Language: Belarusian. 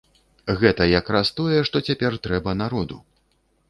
Гэта якраз тое, што цяпер трэба народу!